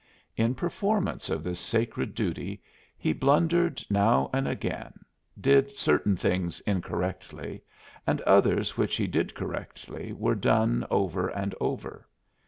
In performance of this sacred duty he blundered now and again, did certain things incorrectly, and others which he did correctly were done over and over.